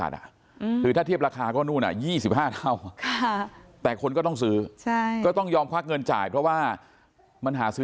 มีนาคมก็วันพระฤหัส